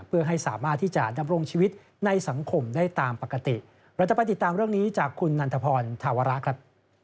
เพื่อให้สามารถที่จะดำรงชีวิตในสังคมได้ตามปกติเราจะไปติดตามเรื่องนี้จากคุณนันทพรธาวระครับ